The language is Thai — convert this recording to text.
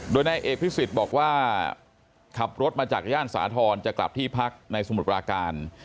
โดยนายเอกพิสิทธิ์บอกว่าขับรถมาจากย่านสาธรณ์จะกลับที่พักในสมุทรปราการ